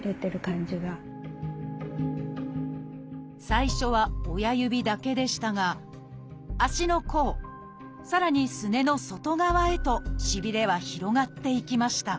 最初は親指だけでしたが足の甲さらにすねの外側へとしびれは広がっていきました